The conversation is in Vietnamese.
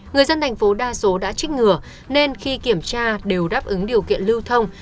người dân thành phố đa số đã trích ngừa nên khi kiểm tra đều đáp ứng điều kiện lưu thông